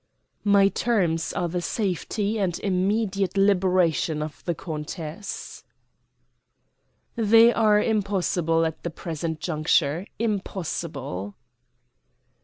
"My terms are the safety and immediate liberation of the countess." "They are impossible, at the present juncture. Impossible."